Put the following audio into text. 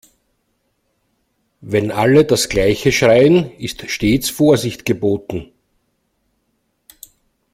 Wenn alle das gleiche schreien, ist stets Vorsicht geboten.